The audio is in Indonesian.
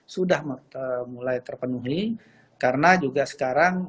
sudah mulai terpenuhi karena juga sekarang